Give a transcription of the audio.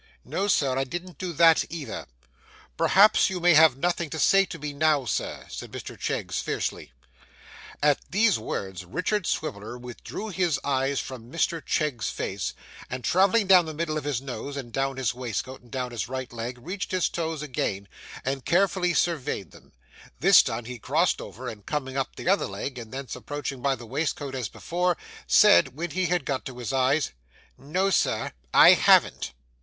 'No, sir, I didn't do that, either.' 'Perhaps you may have nothing to say to me now, sir,' said Mr Cheggs fiercely. At these words Richard Swiviller withdrew his eyes from Mr Chegg's face, and travelling down the middle of his nose and down his waistcoat and down his right leg, reached his toes again, and carefully surveyed him; this done, he crossed over, and coming up the other leg, and thence approaching by the waistcoat as before, said when had got to his eyes, 'No sir, I haven't.